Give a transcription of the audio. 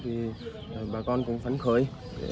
thì bà con cũng phấn khởi